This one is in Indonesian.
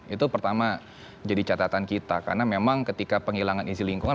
itu pertama jadi catatan kita karena memang ketika penghilangan isi lingkungan